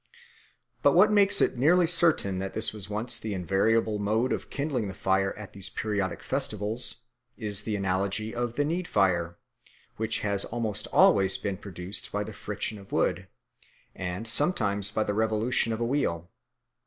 But what makes it nearly certain that this was once the invariable mode of kindling the fire at these periodic festivals is the analogy of the needfire, which has almost always been produced by the friction of wood, and sometimes by the revolution of a wheel.